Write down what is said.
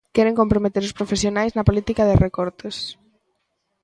Queren comprometer os profesionais na política de recortes.